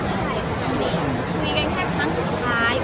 ช่องความหล่อของพี่ต้องการอันนี้นะครับ